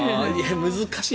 難しい。